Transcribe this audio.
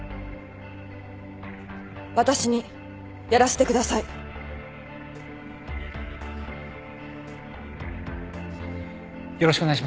私にやらせてください。